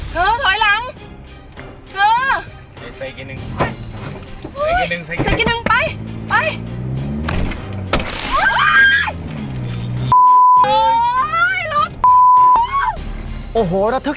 เธอถอยหลังเธอ